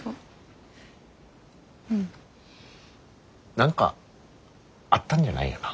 何かあったんじゃないよな？